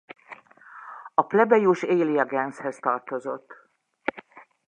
A plebejus Aelia genshez tartozott.